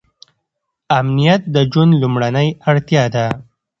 امنیت د ژوند لومړنۍ اړتیا ده.